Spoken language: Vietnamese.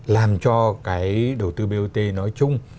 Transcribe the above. làm cho cái đầu tư bot nói chung